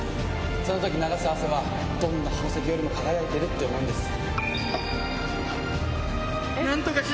その時流す汗はどんな宝石よりも輝いてるって思うんです。